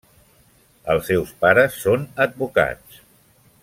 Els seus pares són advocats.